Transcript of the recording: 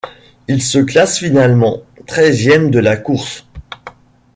Il se classe finalement treizième de la course.